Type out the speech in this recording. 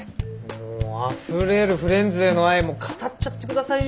もうあふれるフレンズへの愛を語っちゃって下さいよ。